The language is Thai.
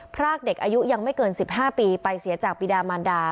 พรากเด็กอายุยังไม่เกิน๑๕ปีไปเสียจากปีดามานดา